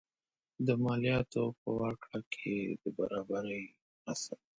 د مالیاتو په ورکړه کې د برابرۍ اصل.